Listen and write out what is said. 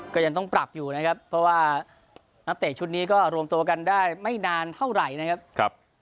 ก็ยังต้องปรับอยู่นะครับเพราะว่านักเตะชุดนี้ก็รวมตัวกันได้ไม่นานเท่าไหร่นะครับ